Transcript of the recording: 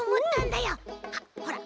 あっほら